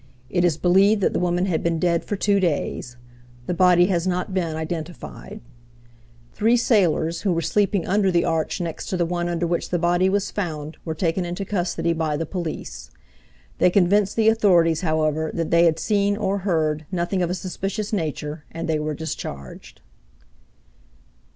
It is believed that the woman had been dead for two days. The body has not been identified. Three sailors who were sleeping under the arch next to the one under which the body was found were taken into custody by the police. They convinced the authorities, however, that they had seen or heard nothing of a suspicious nature, and they were discharged.